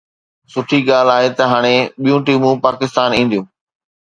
سٺي ڳالهه آهي ته هاڻي ٻيون ٽيمون به پاڪستان اينديون: بابر اعظم